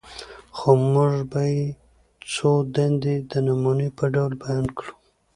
خو موږ به ئې څو دندي د نموني په ډول بيان کړو: